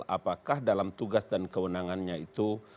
apakah dalam tugas dan kewenangannya itu